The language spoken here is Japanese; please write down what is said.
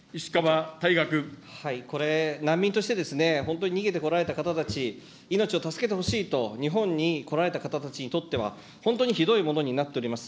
これ、難民としてですね、本当に逃げてこられた方たち、命を助けてほしいと日本に来られた方たちにとっては、本当にひどいものになっております。